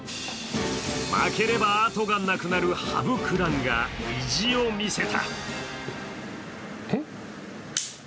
負ければあとがなくなる羽生九段が意地を見せた。